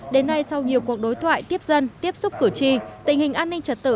đến nay sau nhiều cuộc đối thoại tiếp dân tiếp xúc cử tri tình hình an ninh trật tự